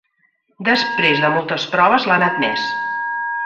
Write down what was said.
Després de moltes proves l'han admès.